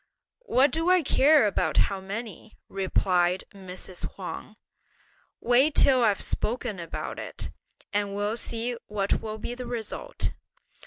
"What do I care about how many?" replied Mrs. Huang; "wait till I've spoken about it, and we'll see what will be the result."